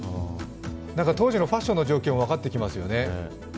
当時のファッションの状況も分かってきますよね。